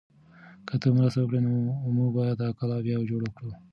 که ته مرسته وکړې نو موږ به دا کلا بیا جوړه کړو.